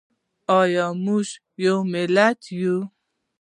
ایا موږ یو ملت یو؟